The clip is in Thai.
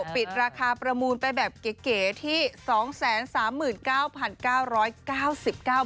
ปิดราคาประมูลไปแบบเก๋ที่๒๓๙๙๙๙๙บาท